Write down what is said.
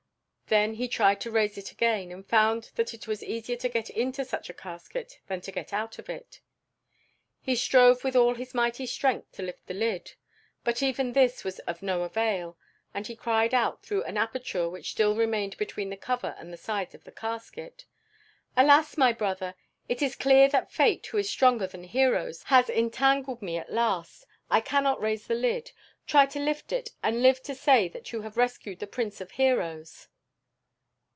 Then he tried to raise it again, but found that it was easier to get into such a casket than to get out of it. He strove with all his mighty strength to lift the lid, but even this was of no avail, and he cried out through an aperture which still remained between the cover and the side of the casket, "Alas, my brother! It is clear that Fate, who is stronger than heroes, has entangled me at last. I cannot raise the lid. Try to lift it and live to say that you have rescued the prince of heroes."